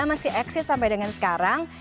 masih eksis sampai dengan sekarang